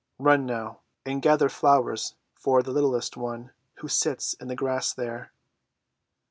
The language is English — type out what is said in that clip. Run, now, and gather flowers for the littlest one, who sits in the grass there!"